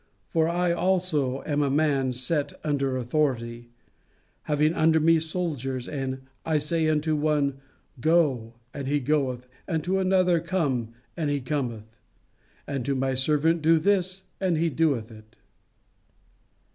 For I also am a man set under authority, having under me soldiers, and I say unto one, Go, and he goeth; and to another, Come, and he cometh; and to my servant, Do this, and he doeth it."